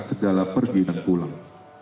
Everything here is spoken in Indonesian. segala pergi dan pulang